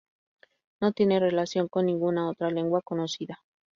No tiene relación con ninguna otra lengua conocida.